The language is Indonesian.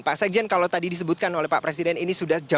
pak sekjen kalau tadi disebutkan oleh pak presiden ini sudah jauh